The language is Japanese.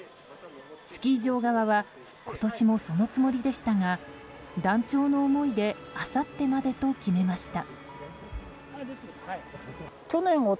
スキー場側は今年も、そのつもりでしたが断腸の思いであさってまでと決めました。